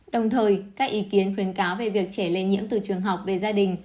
đồng thời các ý kiến khuyến cáo về việc trẻ lây nhiễm từ trường học về gia đình